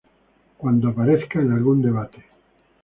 Cuando aparezca en algún debate